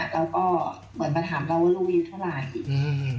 แล้วก็เหมือนมาถามเราว่าลูกอายุเท่าไหร่